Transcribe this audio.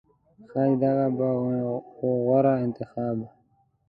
ښایي دغه به و غوره انتخاب